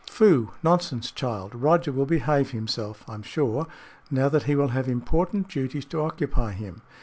"Phoo! Nonsense, child. Roger will behave himself, I am sure, now that he will have important duties to occupy him.